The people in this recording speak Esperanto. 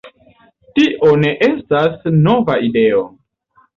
Tio ne estis nova ideo.